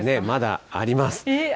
まだあります。